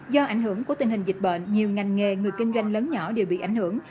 do ảnh hưởng của tình hình dịch bệnh nhiều ngành nghề người kinh doanh lớn nhỏ đều bị ảnh hưởng